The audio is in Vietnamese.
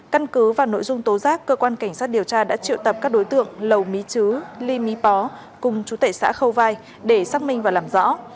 căn cứ vào nội dung tố giác cơ quan cảnh sát điều tra đã triệu tập các đối tượng lầu mí chứ ly mí pó cùng chú tệ xã khâu vai để xác minh và làm rõ